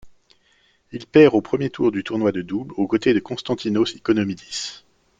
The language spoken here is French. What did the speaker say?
Il perd au premier tour du tournoi de double au côté de Konstantínos Iconomídis.